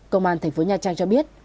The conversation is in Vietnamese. công an tp nha trang cho biết